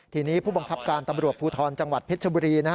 ทีนี้ผู้บังคับการตำรวจภูทรจังหวัดเพชรชบุรี